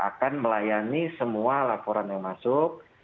akan melayani semua laporan yang masuk